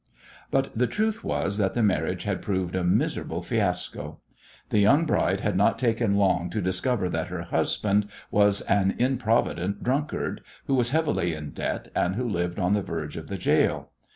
But the truth was that the marriage had proved a miserable fiasco. The young bride had not taken long to discover that her husband was an improvident drunkard, who was heavily in debt and who lived on the verge of the gaol.